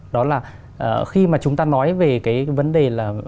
đó là khi mà chúng ta nói về cái vấn đề là